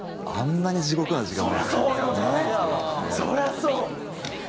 そりゃそうよね！